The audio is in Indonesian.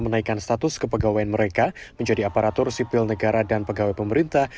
menaikkan status kepegawaian mereka menjadi aparatur sipil negara dan pegawai pemerintah